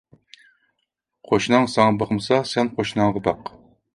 قوشناڭ ساڭا باقمىسا، سەن قوشناڭغا باق.